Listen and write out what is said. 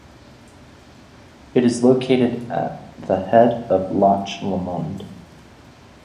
It is located at the head of Loch Lomond.